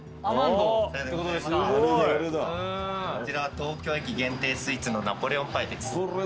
東京駅限定スイーツのナポレオンパイです。